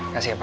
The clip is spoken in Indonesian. kasih ya pak